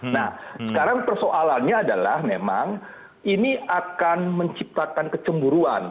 nah sekarang persoalannya adalah memang ini akan menciptakan kecemburuan